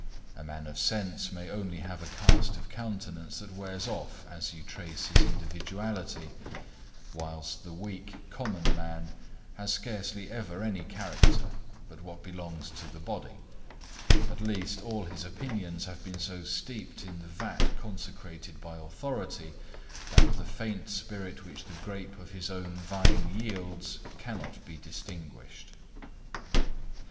A man of sense may only have a cast of countenance that wears off as you trace his individuality, whilst the weak, common man, has scarcely ever any character, but what belongs to the body; at least, all his opinions have been so steeped in the vat consecrated by authority, that the faint spirit which the grape of his own vine yields cannot be distinguished.